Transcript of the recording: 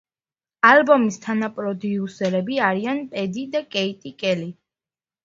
ალბომის თანაპროდიუსერები არიან პედი და კეიტი კელი.